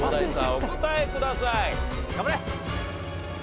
お答えください。